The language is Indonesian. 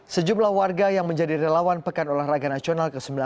sejumlah warga yang menjadi relawan pekan olahraga nasional ke sembilan belas